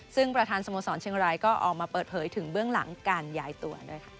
ซึ่งประธานสโมสรเชียงรายก็ออกมาเปิดเผยถึงเบื้องหลังการย้ายตัวด้วยค่ะ